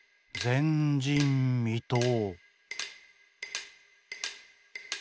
前人未到。